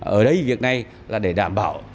ở đây việc này là để đảm bảo